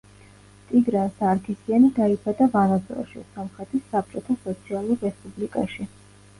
ტიგრან სარქისიანი დაიბადა ვანაძორში, სომხეთის საბჭოთა სოციალურ რესპუბლიკაში.